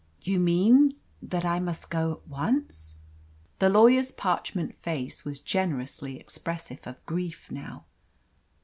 "You mean that I must go at once?" The lawyer's parchment face was generously expressive of grief now.